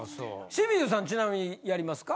清水さんちなみにやりますか？